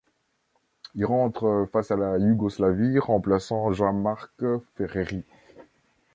Il rentre face à la Yougoslavie, remplaçant Jean-Marc Ferreri.